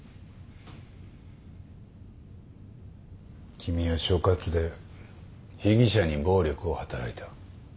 君は所轄で被疑者に暴力を働いた。